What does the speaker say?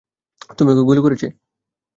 তুমি ওকে গুলি করেছে?